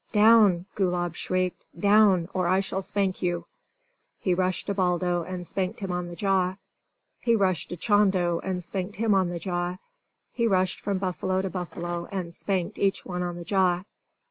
"Down!" Gulab shrieked. "Down, or I shall spank you!" He rushed to Baldo, and spanked him on the jaw. He rushed to Chando, and spanked him on the jaw. He rushed from buffalo to buffalo, and spanked each one on the jaw.